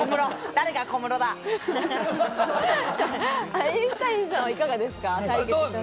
アインシュタインさんはいかがですか？